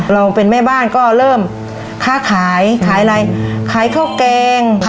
เราเป็นแม่บ้านก็เริ่มค้าขายขายอะไรขายข้าวแกง